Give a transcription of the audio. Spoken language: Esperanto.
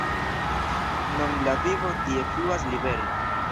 Nun la vivo tie fluas libere.